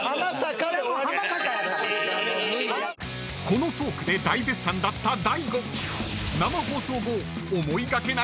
［このトークで大絶賛だった大悟］